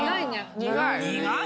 苦い。